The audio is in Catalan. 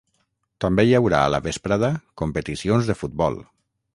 També hi haurà, a la vesprada, competicions de futbol.